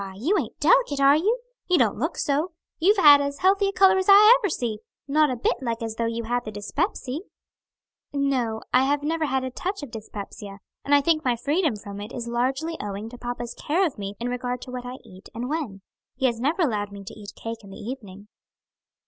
"Why, you aint delicate, are you? You don't look so; you've as healthy a color as ever I see; not a bit like as though you had the dyspepsy." "No, I have never had a touch of dyspepsia, and I think my freedom from it is largely owing to papa's care of me in regard to what I eat and when. He has never allowed me to eat cake in the evening."